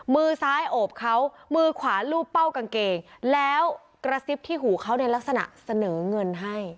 มือซ้ายโอบเขามือขวารูปเป้ากางเกงแล้วกระซิบที่หูเขาในลักษณะเสนอเงินให้